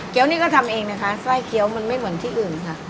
นี่ก็ทำเองนะคะไส้เกี้ยวมันไม่เหมือนที่อื่นค่ะ